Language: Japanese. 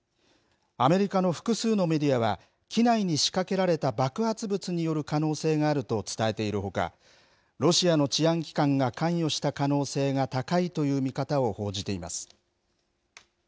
アメリカの複数のメディアは、機内に仕掛けられた爆発物による可能性があると伝えているほか、ロシアの治安機関が関与した可能性が高いという見方を報じています。